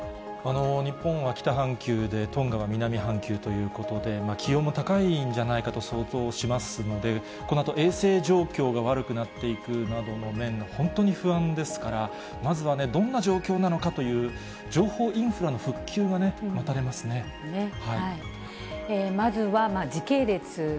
日本は北半球で、トンガは南半球ということで、気温も高いんじゃないかと想像しますので、このあと、衛生状況が悪くなっていくなどの面、本当に不安ですから、まずはどんな状況なのかという、情報インフラの復旧がね、待たれますね。